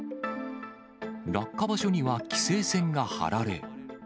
落下場所には規制線が張られ。